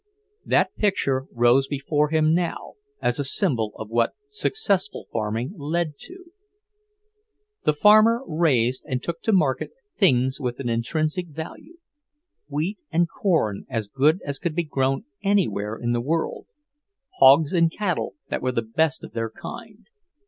That picture rose before him now, as a symbol of what successful farming led to. The farmer raised and took to market things with an intrinsic value; wheat and corn as good as could be grown anywhere in the world, hogs and cattle that were the best of their kind.